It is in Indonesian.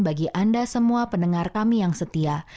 bagi anda semua pendengar kami yang setia